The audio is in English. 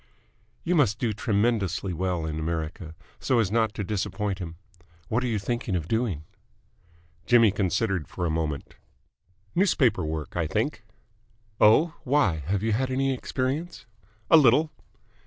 "You must do tremendously well in America, so as not to disappoint him. What are you thinking of doing?" Jimmy considered for a moment. "Newspaper work, I think." "Oh? Why, have you had any experience?" "A little."